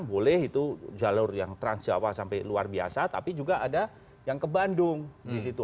boleh itu jalur yang trans jawa sampai luar biasa tapi juga ada yang ke bandung disitu